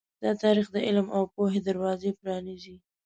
دا تاریخ د علم او پوهې دروازې پرانیزي.